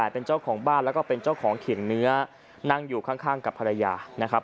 เป็นเจ้าของบ้านแล้วก็เป็นเจ้าของเข็นเนื้อนั่งอยู่ข้างกับภรรยานะครับ